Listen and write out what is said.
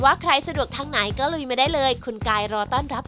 วันนี้ขอบคุณมากนะครับ